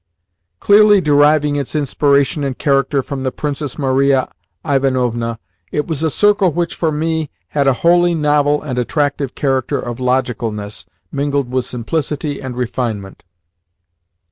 Clearly deriving its inspiration and character from the Princess Maria Ivanovna, it was a circle which, for me, had a wholly novel and attractive character of logicalness mingled with simplicity and refinement.